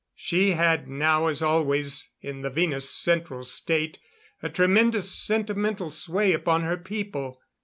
She had, now as always in the Venus Central State, a tremendous sentimental sway upon her people.